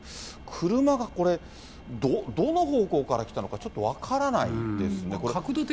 車がこれ、どの方向から来たのか、ちょっと分からないですね、これ。